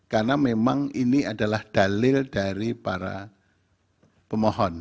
karena memang ini adalah dalil dari para pemohon